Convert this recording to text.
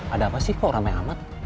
ada apa sih kok ramai amat